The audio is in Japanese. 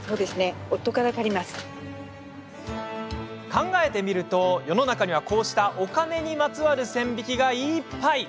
考えてみると世の中には、こうしたお金にまつわる線引きがいっぱい。